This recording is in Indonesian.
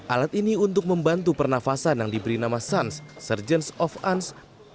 alat ini untuk membantu pernafasan yang diberi nama suns surgeins of uns